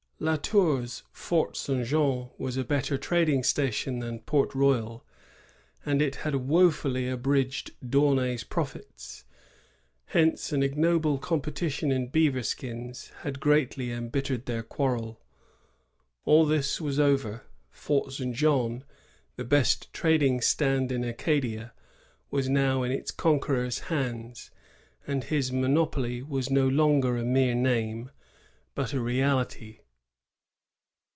La Tour's Fort St. Jean was a better trading station than Port Royal, and it had wofully abridged D'Aunay's profits. Hence an ignoble com petition in beaver skins had greatly emUttered their quarrel. All this was over; Fort St. Jean, the best trading stand in Acadia, was now in its conqueror's hands ; and his monopoly was no longer a mere name, but a reality.